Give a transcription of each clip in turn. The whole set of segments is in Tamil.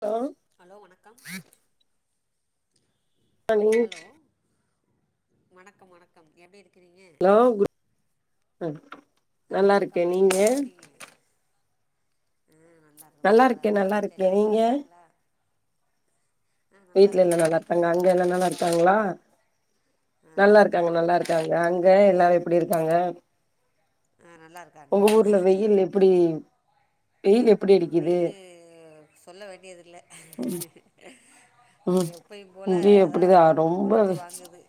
ஆ ஹலோ வணக்கம் ஹலோ வணக்கம் வணக்கம் எப்டி இருக்கிறீங்க ஹலோ குட் ஆ நல்லாருக்கே வணக்கம் நீங்க எப்டி ம் நல்லா இருக்க சூப்பரா இருக்கே இருக்கற நல்லா வீட்லா இருக்கே எல்லாரு நீங்க நல்லாருக்காங்ளா வீட்ல எல்லா நல்லார்க்காங்க அங்க நல்லா எல்லா இருக்காங்களா நல்லார்க்காங்ளா ஆ நல்லார்க்காங்க எல்லாரு நல்லா நல்லார்க்காங்க இருக்குறாங்க அங்க எல்லாரு எப்படி இருக்காங்க ஆ நல்லா இருக்காங்க ஒங்க ஊர்ல வெயில் எப்படி அ வெயிலு சொல்ல வேண்டியதுல்ல அ ம் எப்பயு இங்கயு போலதா அப்டிதா ரொம்ப கொளுத்து வாங்குது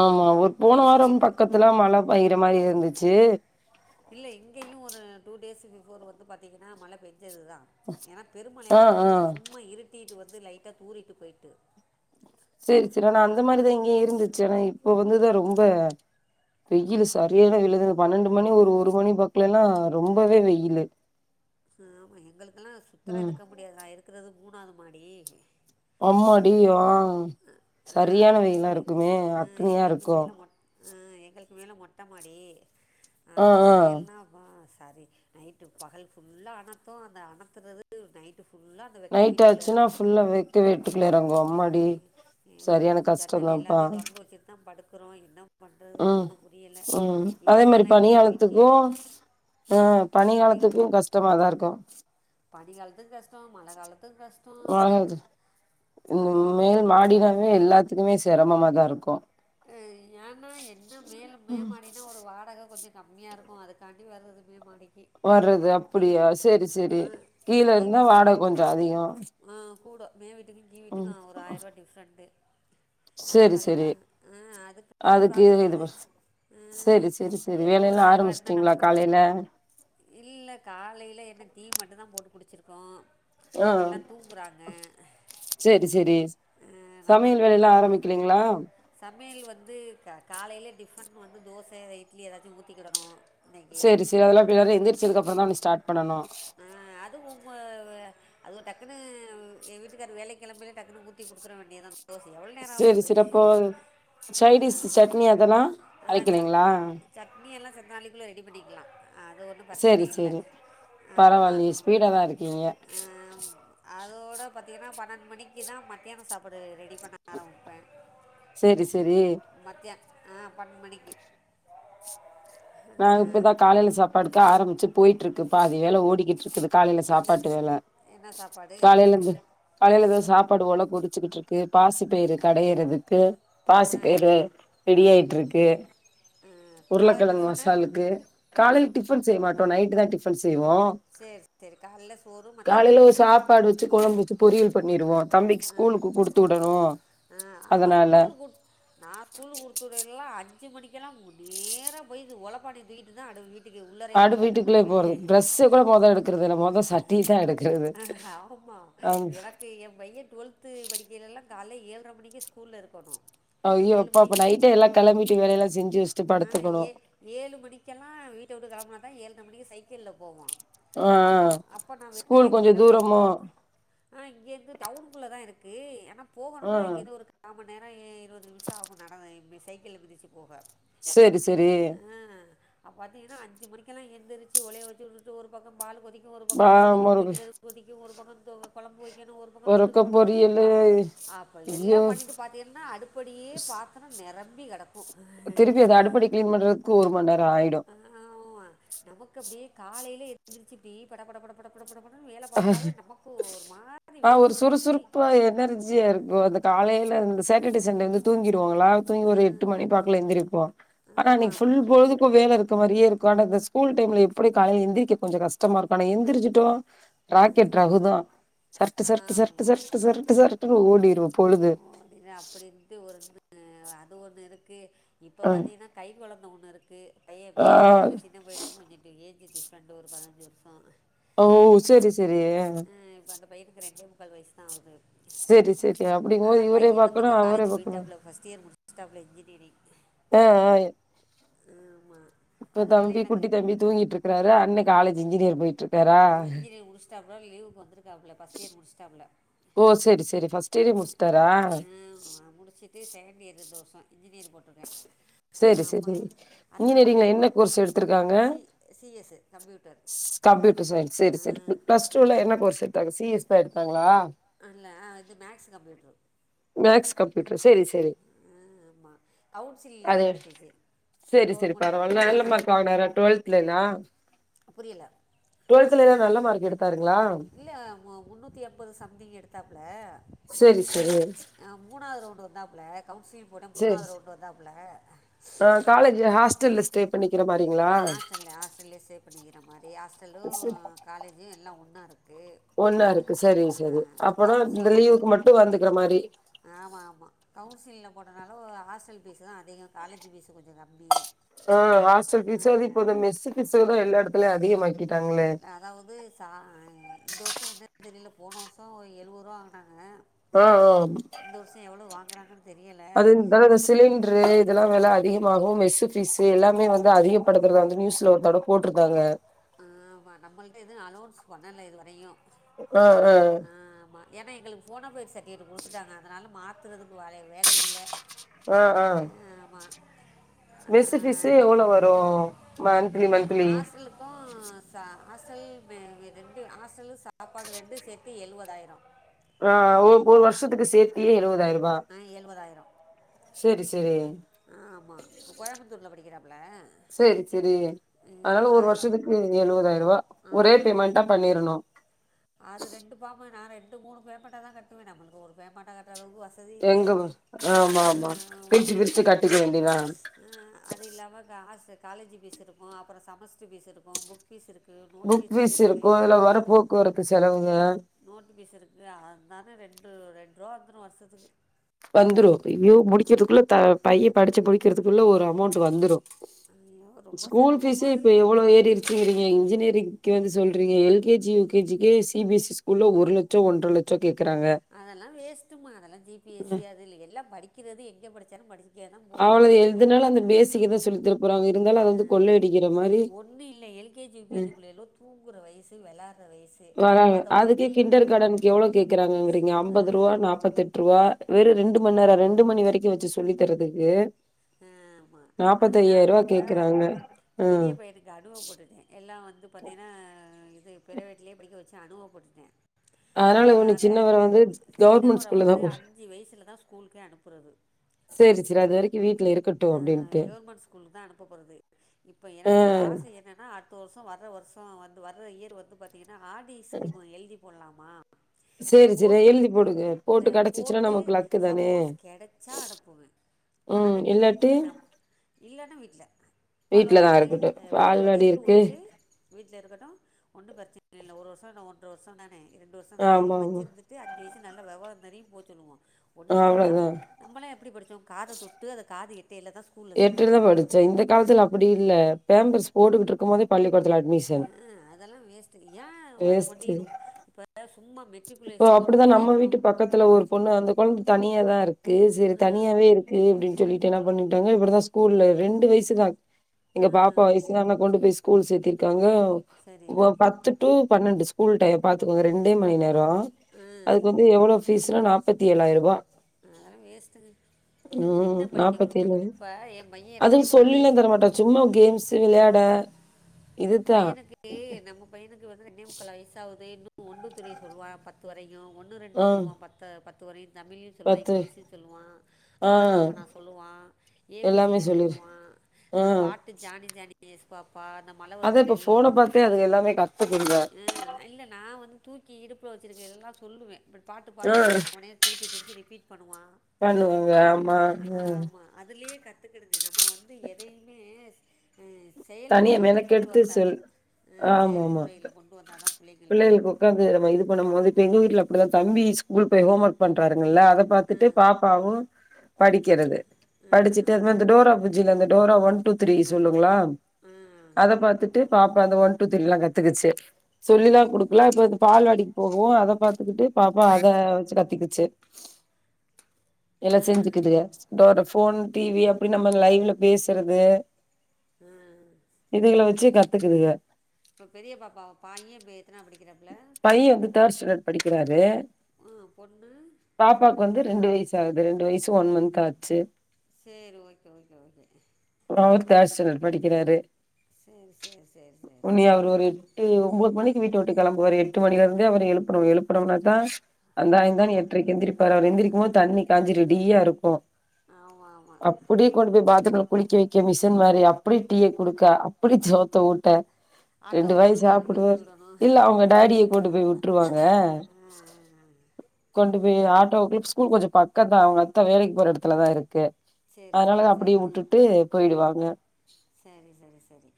ஆமா ஒரு போன வாரம் கொளுத்தி பக்கத்துல மழ பெய்ர மாரி இருந்துச்சு இல்ல இங்கயு ஒரு டூ டேஸ் பிஃபோர் வந்து பாத்தீங்கனா மழ பெஞ்சதுதா ஏனா பெரு ஆ மழயல்லா ஆ பெய்ல சும்மா இருட்டியிட்டு வந்து லைட்டா தூறிட்டு போய்ட்டு செரி செரி ஆனா அந்த மாரிதா இங்கயு இருந்துச்சு ஆனா இப்போ வந்துதா ரொம்ப வெயிலு சரியான வெயிலிந்த பன்னெண்டு மணி ஒரு ஒரு மணி பக்லேல்லா ரொம்பவே வெயிலு ஆமா எங்களுக்லா சுத்தர ம் இருக்க முடியாது நா இருக்றது மூணாவ்து மாடி அம்மாடியோ ஆ அ ஆ சரியான அதுக்கு மேல வெயிலா வா இருக்குமே ஆ அக்னியா எங்களுக்கு இருக்கு மேல மொட் ஆ எங்களுக்கு மேல மொட்ட மாடி ஆ பாத்தியல்னா ஆ சரி நைட்டு பகல் ஃபுல்லா அணத்து அந்த அணத்துறது நைட்டு ஃபுல்லா நைட்டாச்சுன்னா ஃபுல்லா வெக்க வீட்டுக்குள்ள எறங்கு அம்மாடி ம் ஆமா சரியான ஜன்னல் கஷ்டந்தாப்பா எல்லாத்தையு தொறந்து வச்சியிட்தா படுக்குறோ என்னா பண்றது ம் ஒண்ணும் புரியல ம் அதே ஏசி மாரி எல்லா இல்ல வீட்ல பனிகாலத்துக்கு ஆ பனிக்காலத்துக்கு கஸ்டமாதா இருக்கு பனி காலத்து கஸ் ஆ மேல் ஆமாம் மாடினாவே எல்லாத் துக்மே செரமமாதா இருக்கு ஆ யான்னா என்ன மேல் ம் மேமாடினா ஒ வாடக கொஞ்சொ கம்மியா இருக்கு அதுக்காண்டி வர்றது மே மாடிக்கி வர்றது அப்டியா சேரி சேரி கீழ கீழ் இருந்தா வீட்டுக்கும் வாடக கொஞ்சொ அதிகொ ஆ கூடொ மே வீட்டுக்கு கீ வீட்டுக்கு ஒரு ஆய்ருவா டிஃப்ரெண்ட்டு சேரி அதுக்கா சேரி ஆ அதுக்காண்டி அதுக்கு இது பாக்குறது ஆ செரி செரி செரி ஏதோ ஒரு வேலையெல்லா ஆய்ருவா இருந்தா ஆரம்பிச்சுட்டீங்களா நம் காலையில இல்ல காலைல என்ன டீ மட்டுந்தா போட்டு குடிச்சிர்க்கோ எல்லா தூங்குறாங்க சேரி சேரி ஆ சமையல் நம்மளுக்கு வந் வேலயெல்லா ஆரம்பிக்கிலீங்களா சமையல் வந்து க காலைலயே டிஃபன் வந்து தோச இட்லி ஏதாச்சு ஊத்திக்கிடணு சேரி சேரி அதெல்லா இப்ப எல்லாரு எந்திரிச்சதுக்கப்றொந்தானே ஸ்டாட் பண்ணனு ஆ அது உம்ம வ அது ஒ டக்குனு ஏ வீட்டுக்காரு வேலைக் கெளம்பையில டக்குனு ஊத்தி குடுத்துற வேண்டியதா தோச எவோள் நேரொ ஆ போது சைடீஸு சட்னி அதெல்லா ஆ சட் அரைக்கிறீங்ளா சட்னி எல்லா செத்த நாளிக்குள்ள ரெடி பண்ணிக்லா அது ஒன்னு பர்ச்சன செரி இல்ல செரி ஆமா பரவாயில்லையே ஸ்பீடா தா இருக்கீங்க ஆ ம் அதோட பாத்தீகனா பன்னெண்டு மணிக்குதா மத்யாணொ சாப்பாடு ரெடி பண்ண ஆரம்பிப்ப சேரி சேரி மத்யா ஆ பன்னென்டு மணிக்கி நா இப்பதா காலைல சாப்பாடுக்கு ஆரம்பிச்சு போயிட்ருக்கு பாதி வேல ஓடிக்கிட்ருக்குது காலைல என்ன சாப்பாட்டு வேல என்ன சாப்பாடு காலைலேந்து காலைல இதோ சாப்பாடு ஒல கொதிச்சுக்கிட்ருக்கு பாசி பயிறு கடையறது க்கு பாசி பயிறு ரெடியாய்ட்ருக்கு ஆ, காலை உருளக்கெழங்கு மசி டிஃபனு க்கு காலையில் டிஃபன் செய்ய மாட்டோ நைட்டுதா டிஃபன் செய்வோ சரி சரி காலைல சோறு காலைல மத்தியானமும் ஒரு சோறு சாப்பாடு வச்சு கொழம்பு வச்சு பொரியல் பண்ணிருவோ தம்பிக்கு ஸ்கூலுக்கு குடுத்து உடணு அதனால நா ஸ்கூலு குடுத்துவுட எல்லா அஞ்சு மணிக்கெல்லா நேராபோய் ஓலப்பாணய தூக்கிட்டு தா அடு வீட் டுக்கு உள்ளாரையே அடு வீட்டுக்குள்ளே போறது கண்ணமுளிப்பே ட்ரெஸ்ஸ கூட மொத எடுக்கறது இல்ல மொத சட்டி தா எடுக்கறது ஆ ஆமா ஆ எனக் கு என் பைய டுவல்த்து படிக்கையிலலா கால்ல ஏழர மணிக்கு ஸ்கூல்ல இருக்கணு ஐய்யோ அப்பா அப்ப நைட்டே எல்லா கெளம்பிட்டு வேலயெல்லா செஞ்சு வெச் ஆ ஏ ஏழு மணிக்கெல்லா வீட்ட வுட்டு கெளப்புனா தா ஏழர மணிக்கு சைக்கில்ல போவா ஆ அப்போ அப்போ நா ஸ்கூல் வேலைக்கி கொஞ்சோ வேற போ தூரமோ ஆ இங்கேந்து டவுனுக்குள்ள தா இருக்கு ஏன்னா போகணும்ல ஆ இங்கே இந்து ஒரு கா மண் நேரோ இருவது நிமிஷம் ஆகு நட சைக்கில்ல மிதிச்சு போக செரி செரி அப்ப பாத்தீங்கன்னா அஞ்சு மணிக்கெல்லா எந்திரிச்சு ஒளைய வச்சுட்டு ஒரு பக்கோ பாலு கொதிக்கு ஒரு பக்கோ ஆ சுடுதண்ணி ஒரு குளிக்கிறது கொதிக்கு ஒரு பக்கோ துவ கொழம்பு வெக்கனு ஒரு இந்த பக்கோ ஒருக்க தொட்டுக்க ஒண்ணும் பொரியலு அப்ப ஐயோ எல்லாம் பண்ணிட்டு பாத்தீங்கன்னா அடுப்படியே பாத் தரம் நெரம்பி கெடக்கு திருப்பி அத அடுப்படி கிளீன் பண்றதுக்கு ஒருமண் நேரோ ஆயிடு ஆமா நமக்கு அப்டியே காலையில எந்திருச்சி டீப் பட பட பட பட பட பட படனு வேல பாத்தாவே நமக்கு ஒரு மாதிரி ஒரு வேத்து ஊத்தி சுறுசுறுப்பா ஆ எனர்ஜியா இருக்கு அந்த காலையில அந்த சேட்டர்டே சண்டே வந்து தூங்கிடுவாங்களா தூங்கி ஒரு எட்டு மணி வாக்குல எந்திருப்போ ஆனா ஆமாம் அன்னைக்கு புல் ஆமாம் பொழுதுக்கு வேல இருக்க மாறியே இருக்கு ஆனா இந்த ஸ்கூல் டைம்ல எப்டி காலையில எந்திரிக்க கொஞ்சோ கஷ்டமா இருக்கு ஆனா எந்திரிச்சுட்டோ ராக்கெட் ரகுதா சர்ட்டு சர்ட்டு சர்ட்டு ஆமாம் சர்ட்டு சர்ட்டு சர்ட்டு் ஓடிரு பொழுது ஓ அப்டி அப்டின்ட்டு ஒன்னு அது ஒண்ணு இருக்கு இப்ப அ பாத்தீங்கன்னா கை கொழந்த ஒண்ணு இருக்கு பைய ஆ பெரிய பையனுக்கு சின்ன பையனுக் கொஞ்சுட்டு ஏஜ் டிப்ரெண்டு ஒரு பதிஞ்சு வர்ஷோ ஓ செரி செரி ம் இப்ப அந்த பையதுக்கு ரெண்டே முக் கால் வய்சு தா ஆவுது செரி செரி அப்டிங்கும்போது ஆனா இவரே பைய வந்து பாக்கணு இப்போ அவரே காலேஜ் பாக்கணு போய்ட்டாப்புல ஃபர்ஸ்ட் இயர் முடிச் சிடாபுல இன்ஜினியரிங் ஆ ஆ இ ஆமாம் இப்ப அதனால தம்பி எனக்கு குட்டி தம்பி தூங்கிட்டு இருக்குறாரு அண்ணே காலேஜ் இன்ஜினியர் போயிட்டு இருக் இன்ஜினியர் முடிச்சிடாப்புல லீவுக்கு வந்துருக் காபுல ஃபஸ்ட்டு இயர் முடிச்சிட்டாபுல ஓ செரி செரி ஃபர்ஸ்ட் இயரே ம் முடிச்சுட்டாரா ம் ஆ முடிச்சி ட்டு செகண்ட் இயர் இந்த வர்ஷோ இன்ஜினியர் போட்ருக்கே செரி செரி இன்ஜினியரிங்ல என்ன கோர்ஸ் எடுத்திருக்காங்க C CS computer computer science சேரி சேரி பிளஸ் டூல என்ன கோர்ஸ் எடுத்தாங்க சிஎஸ் தா எடுத்தாங்களா அல்ல ஆ வந்து மேக்ஸ் கம்ப்யூட்ரு மேக்ஸ் கம்ப்யூட்டர் செரி செரி ஆ ஆமா கவுன்சிங்ல தா அது கெடைச்சிச்சு செரி செரி பரவாயில்ல நல்ல மார்க் வாங்குனாறா டுவெவல்த்லெல்லா புரியல டுவல்த்துல எல்லா நல்ல மார்க் எடுத்தாருங்ளா இல்ல மு முன்னூத்தி எம்பது சம்திங் எடுத்தாப்புல செரி செரி ஆ மூணாவது ரவுண்டு வந்தாப்புல்ல கவுன்சிலிங் போட்ட செரி மூணாவது செ ரவுண்டு வந்தாப்புல்ல ஆ காலேஜ் ஹாஸ்டல்ல ஸ்டே பண்ணிக்கிற மாறி ஆ ஹாஸ்டல்ல ஹாஸ்டல்லே ஸ்டே பண்ணிக்கிற மாறி ஹாஸ்டலு சரி காலேஜு எல்லா ஒன்னா இருக்கு ஒன்னா இருக்கு சேரி ஆ சேரி அப்பறோ இந்த கவுன்சிலிங் லீவுக்கு மட்டு வந்துக்குற மாரி ஆமா ஆமா கவுன்சிலிங்ல போட்டதுனால ஒ ஹாஸ்டல் ஃபீஸு தா அதிகோ காலேஜ் ஃபீஸு கொஞ்ச கம்மி ஆ ஹாஸ்டல் பீஸு வாது இப்ப அந்த மெஸ்ஸூ பீஸு எல்லா எடத்துலயு அதிகமாக்கிட்டாங்களே அதாவது சா இந்த வருஷோ என்னன்னு தெரியல போன வருஷோ எழுவோருவா வாங்கனாங்க ஆ ஆ இந்த வருஷோ எவ்ளோ வாங்கறாங்கனு அது இந்த வருஷ் சிலிண்ட்ரு இதெல்லா வெல அதிகமாகுமெஸ்ஸு ஃபீஸு எல்லாமே வந்து அதிகப்படுத்துறதா வந்து நியூஸ்ல ஒருத்தடோ போட்ருந்தாங்க ஆம்மா நம்மள்ட்ட எதுவு அனோன்ஸ் பண்ணல இதுவரையு ஆ ஆ ஆமா ஏனா எங்களுக்கு ஃபோனோபைட் சட்டிஃபிகேட் குடுத்துட்டாங்க அதனால மாத்துறதுக்கு வேற வேலை இல்ல ஆ ஆ மெஸ்ஸு ஃபிஸு எவ்ளோ வரு மந்த்லி ரெண்டு மந்த்லி ஹாசலுக்கு ச ஹாஸ்டல் ரெ ரெண்டு ஹாஸ்டலு சாப்பாடு ரெண்டு சேத்து எழுவதாயிரோ ஆ ஒ ஒரு வருஷத்துக்கு சேத்தியே எழுவதாயிரூபா ஆ எழுவதாயிரோ சேரி ஆ ஆமா கோயம்புத்தூர்ல படிக்கிறாப்ல சேரி சேரி அதனால ஒரு வருஷத்துக்கு எழுவதாயிரம் ரூபா ஆ ஒரே பேமெண்டா பண்ணிரணும் அது ரெண்டு பாமு நா ரெண்டு மூணு பேமனாட்டா தா கட்டுவே நம்மளுக்கு ஒரு பேமண்டட்டா கட்டற அளவு வச் எங்களு ஆமா ஆமா பிரிச்சி பிரிச்சி கட்டிக்க வேண்டியதா அ அது இல்லாம காஸு காலேஜ் ஃபீஸு இருக்கு அப்புற செமஸ்டர் ஃபீஸ் இருக்கு புக் பீஸ் இருக்கு புக் ஃபீஸ் இருக்கு இதுல வேர போக்குவரத்து செலவுங்க நோட்டு பீஸ் இருக்கு அதனால ரெண்டு ரெண்ட் ரூவா வந்துரு வருஷத்துக்கு வந்துரு அய்யோ முடிக்கிறதுக்குள்ள த பைய படிச்சி படிக்கிறதுக்குள்ள ஒரு அமௌண்ட் வந்துரு ஐயோ ரொம்ப ஸ்கூல் ஃபீஸு சிரமமாக இப்ப எவ்ளோ இருக்குது ஏறிர் சேரிங்க இன்ஜினியரிங் கே வந்து சொல்றிங்க L KG U KG K C B எஸி ஸ்கூல ஒரு லச் சோ ஒன்ற லட்சோ கேக்கறாங்க அதெல்லா வேஸ்ட்டுமா அதெல்லா ஜி பி எஸ் சி அது இல்ல எல்லா படிக்கிறது எங்க படிச்சாலு படிச்சி க்க தா போதுவ சிக்கத சொல்லி தர போறாங்க இருந்தாலு அது வந்து அ கொள்ளை அடிக்கிற மாரி ஒன்னு இல்ல L K G U K G பிள்ளைகலு தூங்குற வயசு வெளாட்ற வயஸ் வராங்க அதுக்கு கிண்டர் கார்டனுக்கு எவ்ளோ கேக்கறாங்கங்கறீங்க அம்பது ரூவா நாப்பத்தெட் ரூவா வெறு ரெண்டு மண் நேரோ ரெண்டு மணி வரிக்கு வச்சு சொல்லி தரதுக்கு ஆமா அது நா போற கேட்கறாங்க. பெரிய ம். பையனுக் இது அனுபவ பட்டுட்டே எல்லா வந்து பாத்தீங்கனா இது பிரவேட்லே படிக்க வச்சு அனுபவ பட்டுட்டே ஒண்ணு அதனால சின்னவர வந்து கவர்மெண்ட் சின்னவர ஸ்கூல்ல வந்து தான் போடு அஞ்சு வயசுல தா ஸ்கூலுக்கே அனுப்புறது செரி செரி அது வரைக்கு வீட்ல இரு அ கவர்மெண்ட் ஸ்கூலுக் தா அனுப்ப போறது இப்போ ஆ எனக்கு ஒரு ஆச என்னன்னா அட் பத்து வருஷோ வர்ற வருஷோ வந்து வர இயர் வந்து பாத்தீங்கனா ஆர்டி ஸ்கீம் எழுதி போட்லாமா சரி, சரி போட் எழுதி போடுங்க. போட்டு த கெடச்சிச்சுன்னா போட்டு நமக்கு லக்கு தானே! சப்போஸ் கெடச்சா அனுப்புவே பண ம். கட்டி இல்லாட்டி வைக்கிறதா இல்லனா வீட்ல பால்வாடி வீட்ல தான் இருக்கு இருக்கட்டும். அ பால்வாடி இருக்கு வுட்டுட்டு வீட்ல இருக்கட்டு ஒன்னு பிரச்சன இல்ல ஒரு வருஷோ என்ன ஒன்ற வருஷோ தானே ரெண்டு வருஷோ தானே ஆமாமா. வச்சிருந்து த்து அஞ்சு வயசு நல்ல வேவரோ தெரியம்போ சொல்லுவோ ஒன்னு நம்ம அவ்ளோதான். நம்மலே எப்டி படிச்சோ காத தொ ட்டு அது காது எட்டையில தா எட்டைல தா படிச்சே இந்த காலத்துல அப்டி இல்ல பேம்பர்ஸ் போட்டுக்கிட்டு இருக்கும் போதே பள்ளிக்கூடத்துல அட்மிஷ அ அ அதெல்லா வேஸ்ட்டு ஏ அத கொண்டி வேஸ்ட்டு நும் இப்ப சும்மா மெ இப்போ அப்டிதா நம்ம வீட்டு பக்கத்துல ஒரு பொண்ணு அந்த கொழந்த தனியா தா இருக்கு செரி தனியாவே இருக் கு அப்டின் சொல்லிட்டு என்ன பண்ணிட்டாங்க இப்டிதா ஸ்கூல்ல ரெண்டு வயசுதா எங்க பாப்பா வய் சு தான கொண்டு போய் ஸ்கூல் சேத்திருக்காங்க சரி வ பத்து டு பன்னெண்டு ஸ்கூல் டைம் பாத்துக்கோங்க ரெண்டே மணி நேரோ அதுக்கு வந்து எவ்ளோ பீஸுனா நாப்பத்தி ஏழாய்ருபா அதெல்லா வேஸ்ட்டுங்க ம் என்ன படிக்க போ நாப்பத்தி ஏழு இப்ப எ பையே அதுவு ரெண்டே முக்கால் சொல்லிலா வய்சு தரமாட்டா சும்மா கேம்ஸு விளையாட இதுதா பையனுக்கு நம்ம பையனுக்கு வந்து ரெண்டே முக்கால் வய்சாவ்து இன்னு ஒன் டு த்ரீ சொல்வா பத் து வரையு ஒன்னு ரெண்டு ஆ சொல்வா பத்து பத்து வரையு தமிழ்லையு சொல்லுவா பத்து இங்கிலீஸியு சொல்லுவா ஆ ஆனா ஆவனா சொல்லுவா ஏ பி சி எல்லாமே டி சொல்லிரு சொல்லுவா இந்த ஆ பாட்டு ஜானி ஜானி எஸ் பாப்பா அந்த மழ அதா வருது இப்ப ம் ஃபோன பாத்தே அதுக எல்லாமே கத்துக்குங்க இல்ல நா வந்து தூக்கி இடுப்புல வெச்சிருக்கே இது எல்லா சொல்லுவே இப்டி பாட்டு ஆ பாடுவே அவனே திருப்பி திருப்பி ரிப்பீட் பண்ணுவா பண்ணுவாங்க ஆமா ம் அதுலியே கத்துக்கிடுங்க நம்ம வந்து எதயிமே அ செயல் தனியா முறைல கொண்டு மெனக்கெடுத்து வர் தர்னு சொல் அ செயல்முறைய்ல கொண்டு வந்தா தா புள்ளைங்களுக்கு க்கது நம்ம இது பண்ணும்போது இப்ப எங்க வீட்ல அப்டிதா தம்பி ஸ்கூல் போய் ஹோம் ஒர்க் பண்றாருங்கல்ல அத பாத்துட்டு பாப்பாவு படிக்கிறது படிச்சி ட்டு அந்த மாரி இந்த டோரா புஜ்ஜில இந்த டோரா ஒன் டூ த்ரீ சொல்லுங்ளா ஆ அத பாத்துட்டு பாப்பா அந்த ஒன் டூ த்ரீலா கத்துக்கிச்சு சொல்லிலா குடுக்கல இப்ப இந்த பால்வாடிக்கு போகுவு அத பாத்துக்கிட்டு பாப்பா அத வெச்சு கத்துக்கிச்சு [inaudible] எல்லா செஞ்சுக்குதுக இதோட ஃபோன் டி வி அப்டினு நம்ம லைவ்ல பேசுறது ஆ இதுகல வச்சே கத்துக்குதுக இப்ப பெரிய பாப்பாவ பையே பே எத்னா படிக்றாப் பைய வந்து தேட் ஸ்டாண்டர்ட் படிக்கிறாரு ஆ, பொண்ணு பாப்பாக்கு வந்து ரெண்டு வய்சு ஆகுது ரெண்டு வய்சு ஒன் மந்த் ஆச்சு சேரி ஓகே ஓகே ஓகே அவுரு தேட் ஸ்டேன்டேட் படிக்கிறாரு சேரி சேரி சேரி சேரி சேரி அய்யோ ஒம்போது மணிக்கு வீட்டவுட்டு கெளம்புவாரு எட்டு மணிலருந்தே அவர எழுப்பனு எழுப்பனம்னாதா அந்த ஆமாம் இந்தானு ஆமாம் எட்டரைக்கு எந்திரிப்பாரு அவரு எந்திரிக்குபோது தண்ணி காஞ்சி ரெடியா இருக்கு ஆமாமா கூட்டிட் கொண்டு போய் பாத்ரூம்ல குளிக்க வைக்க மிசின் மாரி அப்டி டீ குடுக்க அப்டி சோத்த ஊட்ட ஆட்டோ ரெண்டு வாயீ வந்துடும் எது கிளப்பி சாப்டுவாரு விடணும் இல்ல அவுங்க டாடிய கொண்டு போயி உட்ருவாங்க கொண்டு போயி ஆட்டோகுள் ஸ்கூல் கொஞ்ச பக்கந்தா அவுங்கத்த வேலைக் போற எடத்துலதா இருக்கு சரி அதனால சரி அப்டியே உட்டுட்டு போயிடுவாங்க செரி செரி செரி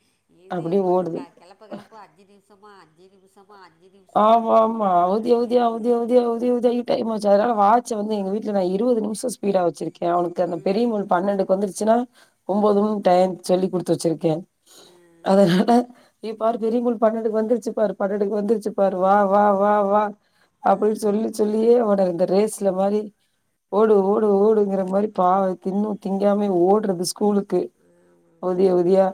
இது அப்டியே வந்து க ஓடுது கெளப்ப கெளப்ப அஞ்சு நி ம்சமா அஞ்சு நிமுசமா அஞ்சு நி ஆமா ஆமா அவுதி அவுதியா அவுதி அவுதியா அவுதி அவுயா டைம் ஆச்சு அதனால வாட்ச வந்து எங்க வீட்ல நா இருவது நிமிஷொ ஸ்பீடா வச்சிருக் க அவனுக்கு அந்த பெரிய முள் பன்னெண்டுக்கு வந்துருச்சுன்னா ஒம்பதுன் டையம் சொல்லி் குடுத்து வச்சிருக்கே அதனால ஏ பாரு பெரியமுள் பன்னடுக்கு வந்துர்ச்சு பாரு பண்ணடுக்கு வந்துருச்சு பாரு வா வா வா வா அப்டின் சொல்லி சொல்லியே அவன இந்த ரேஸ்ல மாரி ஓடு ஓடு ஓடுங்கற மாரி பாவ தின்னு திங்காமயு ஓட்றது ஸ் கூலுக்கு அவுதி அவுதியா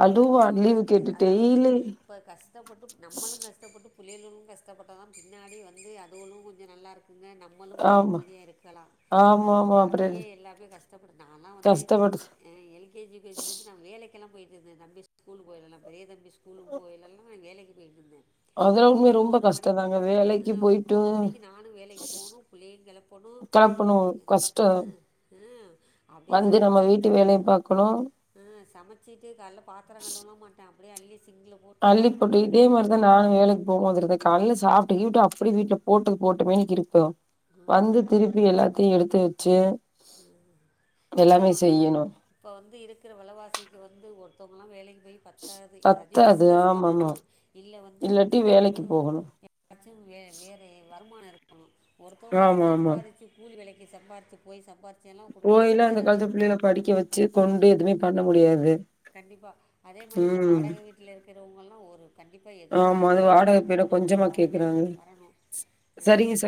அழுவ்வா லிவு கேட்டு டெய்லி இப்ப கஷ்டப்பட்டு நம்மளு கஷ்டப்பட்டு பிள்ளைகளு கஷ்டப்பட்டாதா பின்னாடி வந்து அதுகளு கொஞ்ச நல்லா இருக்குங்க நம் மளு கொஞ்ச ஆமா. நிம்மதியா இருக்கலா ஆமாமா. அப்புறம் அதுக்காண்டியே எல்லார்மே கஷ்டப்படு நாலா வந்து கஷ்டப்பட்டு அ L K G U K G லருந்து நா வேலைக்கெல்லா போயிட்டு இருந்த தன் பி ஸ்கூலு போய்லலா பெரிய தம்பி ஸ்கூுக்கு போவிலல்லா வேலைக்கு போய்ட்டுர்ந்தே அதெல்லா உண்மையா ரொம்ப ஒம்போர மணிக்கு கஷ்டந்தாங்க ஆ வேலைக்கு போயிட்டு ஒம்போர மணிக்கு நானு வேலக்கு போனு புள்ளைய கெளப்பனு கெளப்பணு பாத்திங்க கஷ்டோ அ அ அப்டியே சமச்சி வேலய பாக்கனு ஆ சமச்சிட்டு கால்ல பாத்திர கழுவல்லா மாட்ட அப்டியே அள்ளி சிங்ள அள்ளி போட்டு இதே மார்தா நானு வேலைக் போமோது இருந்து காலைல்ல சாப்ட்டு கீப்ட்டு அப்படி வீட்ல போட்டது போட்டமேனிக்கு இருக்கு ஆ, வந்து திருப்பி எல்லாத்தையு எடுத்து வச்சு து என்ன எல்லாமே பண்றது செய்யணு இப்போ வந்து இருக்கிற வெளவாசிக்கு வந்து ஒருத்தவங்கலா வேலைக் போய் பத்தாது எதாச்சு பத்தாது பிஸ்னஸ் ஆமாமா பண்ணனு இல்ல வந்து இல்லாட்டி வீட்ல வந்து வேலைக்கு போகணு யாராச்சு வே வேற வருமான இருக்கணு ஒருத்தவங்க ஆமா ஆமா சம்பாரிச்சு கூலி வேலக்கி சம்பாரிச்சு போய் சம்பார்ச் போய்ல்லா அந்த காலத்து பிள்ளைல்ல படிக்க வெச்சு கொண்டு எதுமே பண்ண முடியாது கண்டிப்பாக அதே மாரி இந்த ம் வாடக வீட்ல இருக்கிறவங்கள்லா ஒரு கண்டிப்பா ஏதோ ஒரு ஆமா அது இன்னொரு வாடகை பேர இன்கம் நமக்கு கொஞ்சமா வர வேணு கேக்குறாங்க வரணு அ சரிங்க ச